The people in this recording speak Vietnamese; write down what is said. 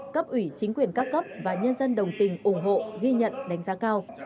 cấp ủy chính quyền các cấp và nhân dân đồng tình ủng hộ ghi nhận đánh giá cao